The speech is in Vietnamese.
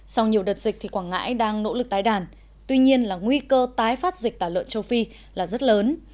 sau nhiều đợt dịch thì quảng ngãi đang nỗ lực tái đàn tuy nhiên là nguy cơ tái phát dịch tả lợn châu phi là rất lớn